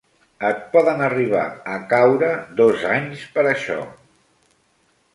Et poden arribar a caure dos anys per això.